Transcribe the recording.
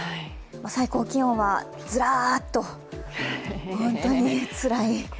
最高気温はずらーっと本当につらい暑さです。